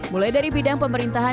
mulai dari bidang pemerintahan